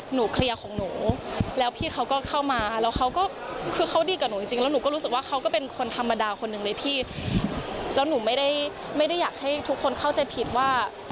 หนูเคลียร์ของหนูแล้วพี่เขาก็เข้ามา